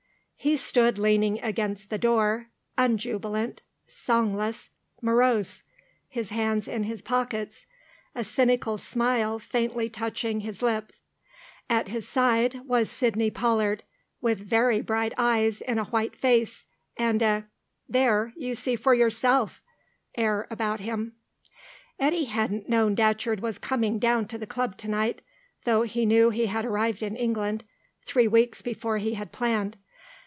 He stood leaning against the door, unjubilant, songless, morose, his hands in his pockets, a cynical smile faintly touching his lips. At his side was Sidney Pollard, with very bright eyes in a white face, and a "There, you see for yourself" air about him. Eddy hadn't known Datcherd was coming down to the Club to night, though he knew he had arrived in England, three weeks before he had planned.